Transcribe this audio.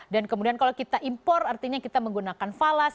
dan kemudian kalau kita impor artinya kita menggunakan falas